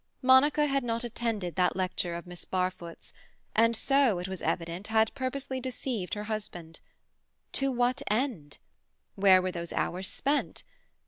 Monica had not attended that lecture of Miss Barfoot's, and so, it was evident, had purposely deceived her husband. To what end? Where were those hours spent?